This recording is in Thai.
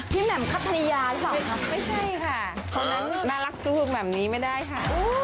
พี่แหม่มคัทธรียาหรือเปล่าคะไม่ใช่ค่ะเพราะฉะนั้นมารักสู้พวกแหม่มนี้ไม่ได้ค่ะ